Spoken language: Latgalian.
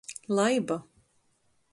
Laiba.